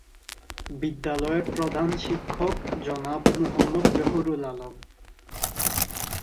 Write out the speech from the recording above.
বিদ্যালয়ের প্রধান শিক্ষক জনাব মোহাম্মদ জহুরুল আলম।